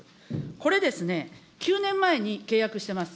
これですね、９年前に契約してます。